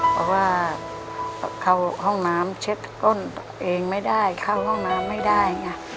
เพราะว่าเข้าห้องน้ำเช็ดก้นตัวเองไม่ได้เข้าห้องน้ำไม่ได้ไง